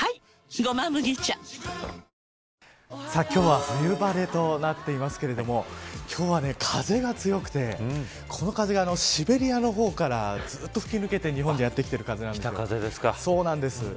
今日は冬晴れとなっていますけれども今日は、風が強くてすこの風が、シベリアの方からずっと吹き抜けて、日本にやってきている風なんです。